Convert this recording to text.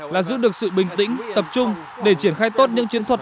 là giữ được sự bình tĩnh tập trung để triển khai tốt những chiến thuật